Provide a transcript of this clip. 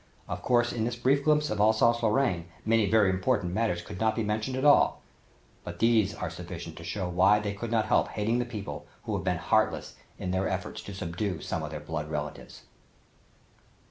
Of course in this brief glimpse of Alsace Lorraine many very important matters could not be mentioned at all, but these are sufficient to show why they could not help hating the people who have been heartless in their effort to subdue some of their blood relatives.